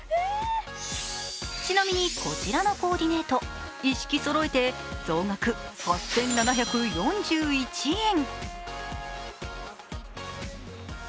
ちなみにこちらのコーディネート、一式そろえて総額８７４１円。